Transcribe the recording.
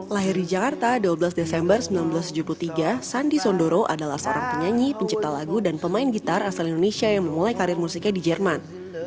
lahir di jakarta dua belas desember seribu sembilan ratus tujuh puluh tiga sandi sondoro adalah seorang penyanyi pencipta lagu dan pemain gitar asal indonesia yang memulai karir musiknya di jerman